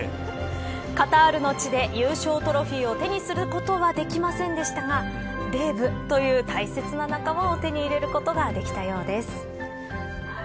カタールの地で優勝トロフィーを手にすることはできませんでしたがデーブという大切な仲間を手に入れることができたようです。